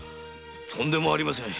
とんでもありません。